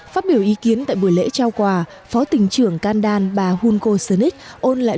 phát biểu ý kiến tại buổi lễ trao quà phó tỉnh trưởng kandan bà hulko senich ôn lại